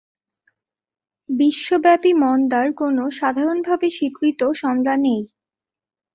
বিশ্বব্যাপী মন্দার কোনও সাধারণভাবে স্বীকৃত সংজ্ঞা নেই।